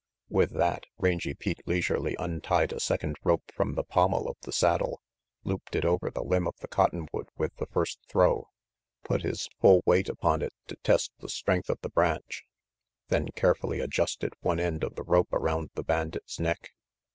With that, Rangy Pete leisurely untied a second rope from the pommel of the saddle, looped it over the limb of the cottonwood with the first throw, put his full weight upon it to test the strength of the branch, then carefully adjusted one end of the rope around the bandit's neck.